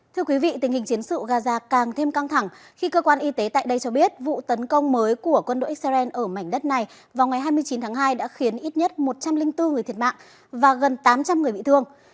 thưa quý vị tình hình chiến sự gaza càng thêm căng thẳng khi cơ quan y tế tại đây cho biết vụ tấn công mới của quân đội israel ở mảnh đất này vào ngày hai mươi chín tháng hai đã khiến ít nhất một trăm linh bốn người thiệt mạng và gần tám trăm linh người bị thương